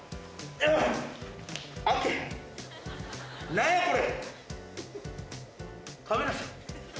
何やこれ？